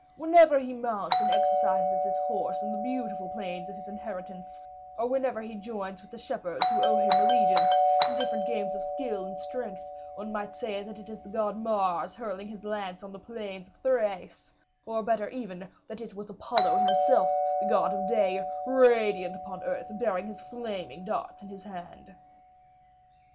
Whenever he mounts and exercises his horse in the beautiful plains of his inheritance, or whenever he joins with the shepherds who owe him allegiance, in different games of skill and strength, one might say that it is the god Mars hurling his lance on the plains of Thrace, or, even better, that it was Apollo himself, the god of day, radiant upon earth, bearing his flaming darts in his hand."